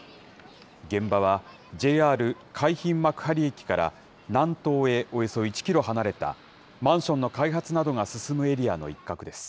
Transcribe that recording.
現場はＪＲ海浜幕張駅から南東へおよそ１キロ離れたマンションの開発などが進むエリアの一角です。